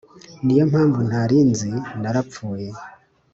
ni yo mpamvu ntari nzi, narapfuye